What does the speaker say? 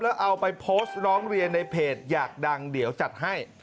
แล้วเอาไปโพสต์ร้องเรียนในเพจอยากดังเดี๋ยวจัดให้